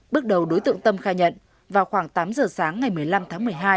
bước đầu đối tượng tâm khai nhận vào khoảng tám giờ sáng ngày một mươi năm tháng một mươi hai